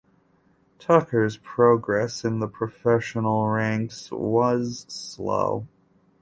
Tucker's progress in the professional ranks was slow.